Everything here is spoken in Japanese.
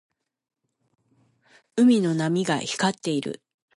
海の波が光っている。